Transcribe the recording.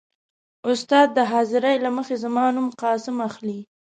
. استاد د حاضرۍ له مخې زما نوم «قاسم» اخلي.